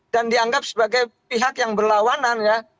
dan dianggap sebagai pihak yang berlawanan ya